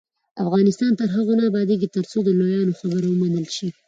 افغانستان تر هغو نه ابادیږي، ترڅو د لویانو خبره ومنل شي.